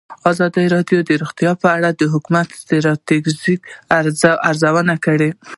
ازادي راډیو د روغتیا په اړه د حکومتي ستراتیژۍ ارزونه کړې.